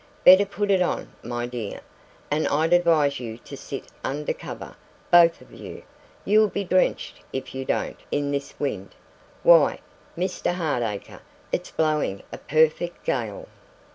"Better put it on, my dear; and I'd advise you to sit under cover, both of you. You'll be drenched if you don't, in this wind. Why, Mr Hardacre, it's blowing a perfect gale!"